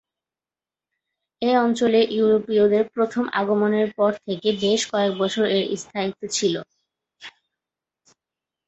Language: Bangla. এ অঞ্চলে ইউরোপীয়দের প্রথম আগমনের পর থেকে বেশ কয়েকবছর এর স্থায়িত্ব ছিল।